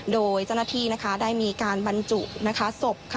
โดยเจ้าหน้าที่นะคะได้มีการบรรจุนะคะศพค่ะ